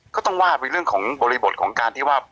ก็ต้องว่าไปเรื่องของบริบทของการที่ว่า